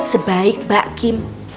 sebaik mbak kim